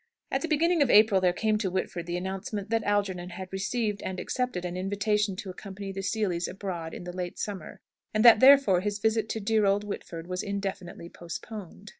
At the beginning of April there came to Whitford the announcement that Algernon had received and accepted an invitation to accompany the Seelys abroad in the late summer; and that, therefore, his visit to "dear old Whitford" was indefinitely postponed.